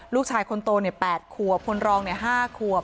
ลูกชายคนโต๘ขวบคนรอง๕ขวบ